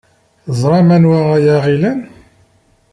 Teẓram anwa ay aɣ-ilan.